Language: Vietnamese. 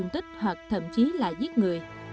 thậm chí là giết người